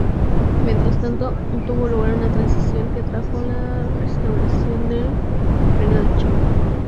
Mientras tanto, tuvo lugar una transición que trajo la restauración del Reino de Camboya.